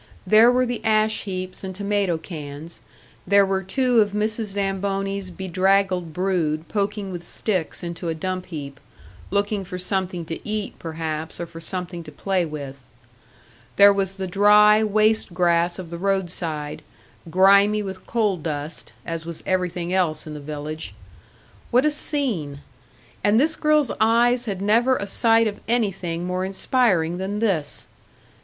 There were the ash heaps and tomato cans, there were two of Mrs. Zamboni's bedraggled brood, poking with sticks into a dump heap looking for something to eat, perhaps, or for something to play with. There was the dry, waste grass of the road side, grimy with coal dust, as was everything else in the village. What a scene! And this girl's eyes had never a sight of anything more inspiring than this.